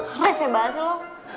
harus ya banget sih lo